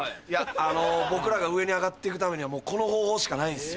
あの僕らが上に上がっていくためにはもうこの方法しかないんすよ。